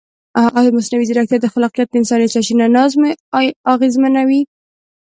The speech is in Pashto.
ایا مصنوعي ځیرکتیا د خلاقیت انساني سرچینه نه اغېزمنوي؟